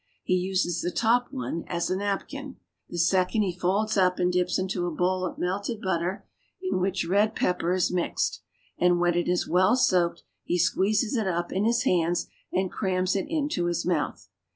He uses the top one as a napkin. The second he folds up and dips into a bowl of melted butter in which red pepper is mixed, and when it is well soaked he squeezes it up in his hands and crams it into his mouth.